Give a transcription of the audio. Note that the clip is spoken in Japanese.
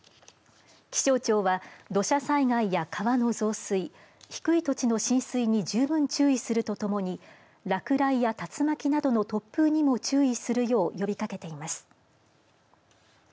気象庁は、土砂災害や川の増水低い土地の浸水に十分注意するとともに落雷や竜巻などの突風にも注意するよう呼びかけています。